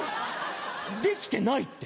出来てないって。